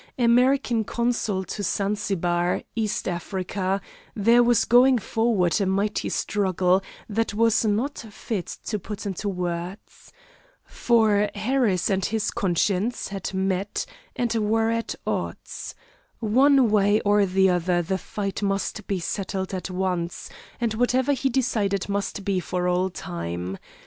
American consul to Zanzibar, East Africa, there was going forward a mighty struggle that was not fit to put into words. For Harris and his conscience had met and were at odds. One way or the other the fight must be settled at once, and whatever he decided must be for all time.